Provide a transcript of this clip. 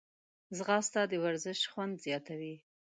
ځغاسته د ورزش خوند زیاتوي